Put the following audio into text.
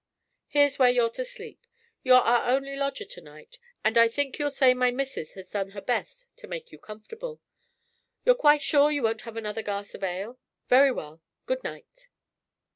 Here's where you're to sleep. You're our only lodger to night, and I think you'll say my missus has done her best to make you comfortable. You're quite sure you won't have another glass of ale? Very well. Good night."